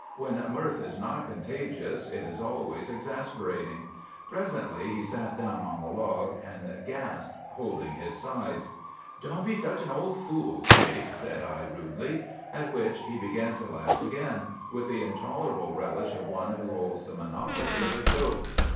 When mirth is not contagious, it is always exasperating. Presently he sat down on the log and gasped, holding his sides. "'Don't be such an old fool, Jake,' said I rudely; at which he began to laugh again, with the intolerable relish of one who holds the monopoly of a joke.